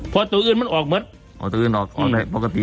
พอตัวอื่นมันออกเหมือนออกตัวอื่นออกออกได้ปกติ